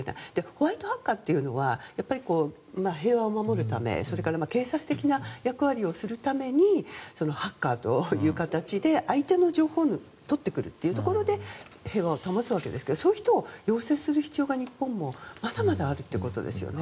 ホワイトハッカーというのは平和を守るためそれから警察的な役割をするためにハッカーという形で相手の情報を取ってくるというところで平和を保つわけですがそういう人を養成する必要が日本もまだまだあるってことですよね。